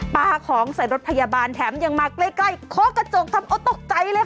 ปลาของใส่รถพยาบาลแถมยังมาใกล้เคาะกระจกทำเอาตกใจเลยค่ะ